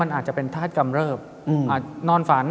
อาจจะเป็นธาตุกำเริบอาจนอนฝัน